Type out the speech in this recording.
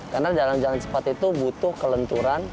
karena dalam jalan cepat itu butuh kelenturan